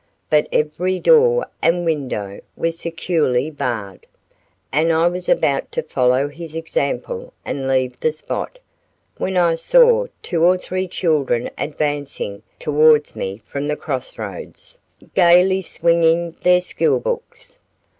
But every door and window was securely barred, and I was about to follow his example and leave the spot, when I saw two or three children advancing towards me down the cross roads, gaily swinging their school books.